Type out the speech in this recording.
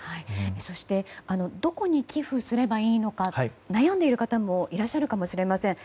そしてどこに寄付すればいいのか悩んでいる方もいらっしゃるかもしれません。